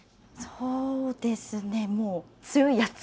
そうですねもう強いやつ。